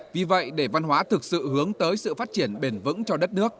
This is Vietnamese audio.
vì vậy để văn hóa thực sự hướng tới sự phát triển bền vững cho đất nước